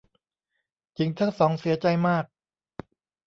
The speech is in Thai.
หญิงทั้งสองเสียใจมาก